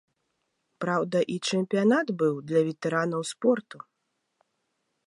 Праўда, і чэмпіянат быў для ветэранаў спорту.